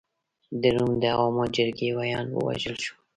د روم د عوامو جرګې ویاند ووژل شو.